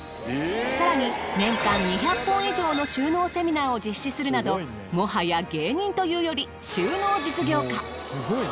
更に年間２００本以上の収納セミナーを実施するなどもはや芸人というより収納実業家。